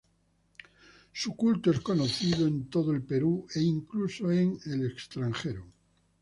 Su culto es conocido en todo el Perú e incluso en el extranjero.